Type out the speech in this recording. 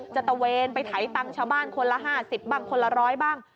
ตะเวนไปไถตังค์ชาวบ้านคนละ๕๐บ้างคนละร้อยบ้าง